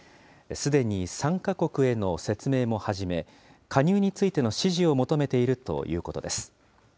すでに参加国への説明も始め、加入についての支持を求めているということです。